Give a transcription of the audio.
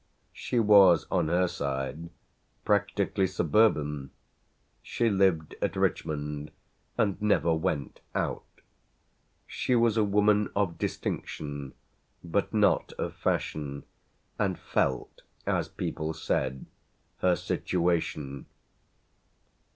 She was on her side practically suburban: she lived at Richmond and never went "out." She was a woman of distinction, but not of fashion, and felt, as people said, her situation.